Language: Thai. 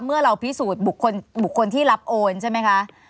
เมื่อเราพิสูจน์บุคคลที่รับโอนใช่ไหมคะ